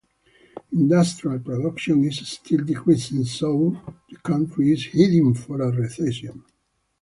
Industrial production is still decreasing, so the country is heading for a recession.